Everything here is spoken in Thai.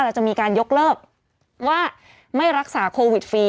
เราจะมีการยกเลิกว่าไม่รักษาโควิดฟรี